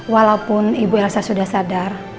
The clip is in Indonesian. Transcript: walaupun ibu elsa sudah sadar